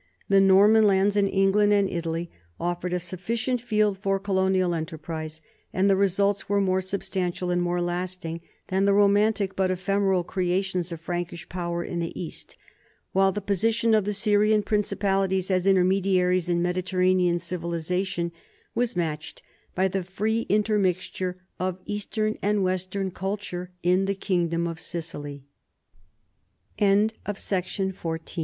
The Norman lands in England and Italy offered a sufficient field for colonial enterprise, and the results were more substantial and more lasting than the romantic but ephemeral creations of Prankish power in the East, while the position of the Syrian principalities as intermediaries in Mediterranean civilization was matched by the free intermixture o